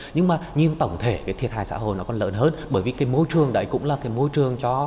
nhưng mà nhìn tổng thể cái thiệt hại xã hội nó còn lớn hơn bởi vì cái môi trường đấy cũng là cái môi trường cho